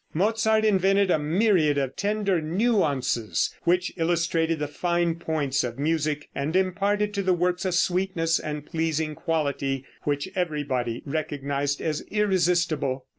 Mozart invented a myriad of tender nuances which illustrated the fine points of music, and imparted to the works a sweetness and pleasing quality which everybody recognized as irresistible.